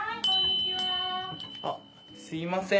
あっすみません。